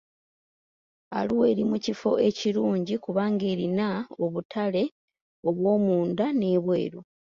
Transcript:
Arua eri mu kifo ekirungi kubanga erina obutale obwomunda n'ebweru.